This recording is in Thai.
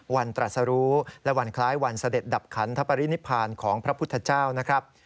ตรัสรู้และวันคล้ายวันเสด็จดับขันทปรินิพานของพระพุทธเจ้านะครับ